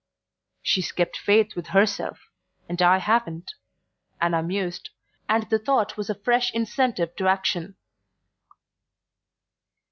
"She's kept faith with herself and I haven't," Anna mused; and the thought was a fresh incentive to action.